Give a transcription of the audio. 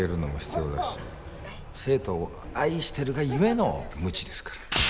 生徒を愛してるがゆえのムチですから。